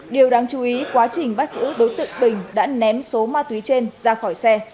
điều đáng chú ý quá trình bắt giữ đối tượng bình đã ném số ma túy trên ra khỏi xe